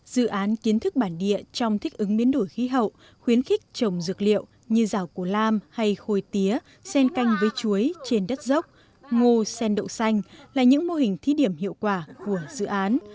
dự án kiến thức bản địa trong thích ứng biến đổi khí hậu khuyến khích trồng dược liệu như rào củ lam hay khôi tía sen canh với chuối trên đất dốc ngô sen đậu xanh là những mô hình thí điểm hiệu quả của dự án